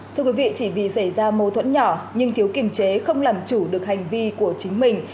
thưa quý vị chỉ vì xảy ra mâu thuẫn nhỏ nhưng thiếu kiềm chế không làm chủ được hành vi của chính mình